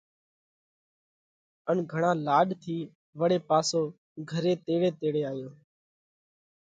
ان گھڻا لاڏ ٿِي وۯي پاسو گھري تيڙي تيڙي آيو